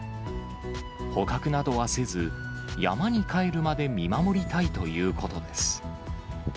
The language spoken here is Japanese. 捕獲などはせず、山に帰るまで見守りたいということです。